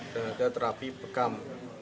dan ada terapi bekam